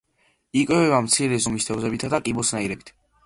იკვებება მცირე ზომის თევზებითა და კიბოსნაირებით.